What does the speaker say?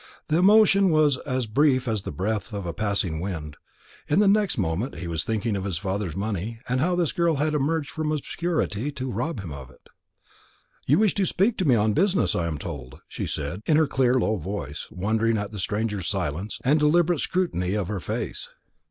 The emotion was as brief as the breath of a passing wind. In the next moment he was thinking of his father's money, and how this girl had emerged from obscurity to rob him of it. "You wish to speak to me on business, I am told," she said, in her clear low voice, wondering at the stranger's silence and deliberate scrutiny of her face.